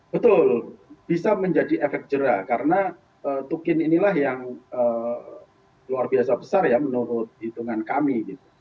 betul bisa menjadi efek jerah karena tukin inilah yang luar biasa besar ya menurut hitungan kami